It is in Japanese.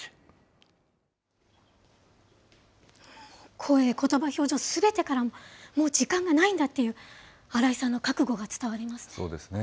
声、ことば、表情、すべてからももう時間がないんだという新井さんの覚悟が伝わりまそうですね。